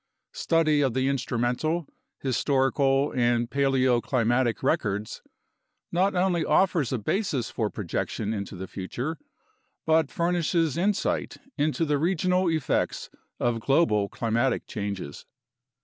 Study of the instrumental, historical, and paleoclimatic records not only offers a basis for projection into the future but furnishes insight into the regional effects of global climatic changes.